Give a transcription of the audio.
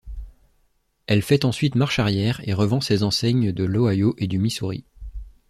Elle fait ensuite marche arrière et revend ses enseignes de l’Ohio et du Missouri.